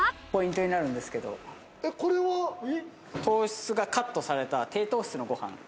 ポイントになるんですけど、糖質がカットされた低糖質のご飯。